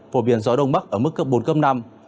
phổ biển gió đông mắc ở mức cấp bốn cấp năm